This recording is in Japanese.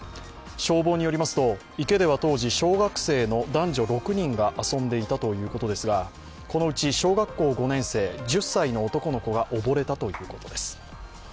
消防によりますと、池では当時、小学生の男女６人が遊んでいたということですが、このうち小学校５年生、１０歳の男の子が溺れたということです。